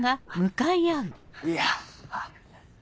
いや。